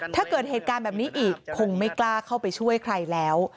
ถ้าเกิดเหตุการณ์แบบนี้อีกคงไม่กล้าเข้าไปช่วยใครแล้ว